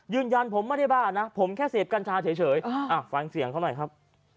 ยืนยันผมไม่ได้บ้านะผมแค่เสพกัญชาเฉยฟังเสียงเขาหน่อยครับ